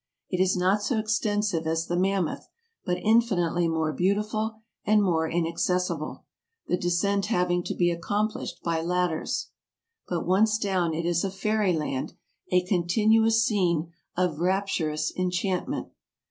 It is not so extensive as the Mammoth, but infinitely more beautiful and more inaccessible, the descent having to be accomplished by ladders ; but once down it is a fairy land, a continuous scene of rapturous enchantment.